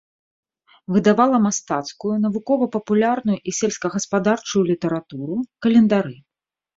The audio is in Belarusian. Выдавала мастацкую, навукова-папулярную і сельскагаспадарчую літаратуру, календары.